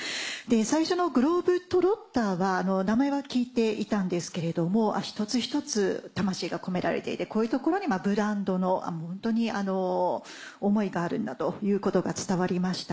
最初のグローブ・トロッターは名前は聞いていたんですけれども１つ１つ魂が込められていてこういうところにブランドの思いがあるんだということが伝わりましたし。